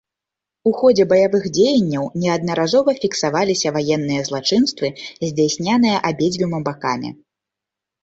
У ходзе баявых дзеянняў неаднаразова фіксаваліся ваенныя злачынствы, здзяйсняныя абедзвюма бакамі.